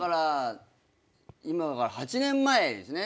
今から８年前ですね